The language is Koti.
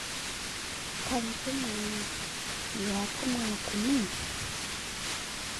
Kanju meeyo, mwiwaapho mwaakumi?